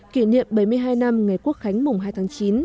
kỷ niệm bảy mươi hai năm ngày quốc khánh mùng hai tháng chín